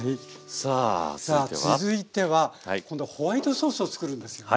さあ続いては今度はホワイトソースを作るんですよね。